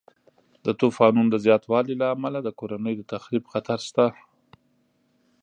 د طوفانونو د زیاتوالي له امله د کورنیو د تخریب خطر شته.